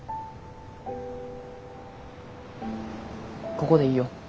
ここでいいよ。